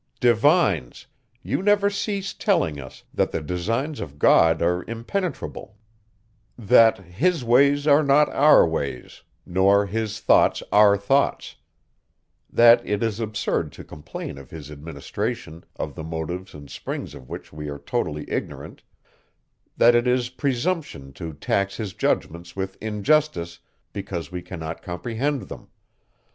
Divines! You never cease telling us, that the designs of God are impenetrable; that his ways are not our ways, nor his thoughts our thoughts; that it is absurd to complain of his administration, of the motives and springs of which we are totally ignorant; that it is presumption to tax his judgments with injustice, because we cannot comprehend them.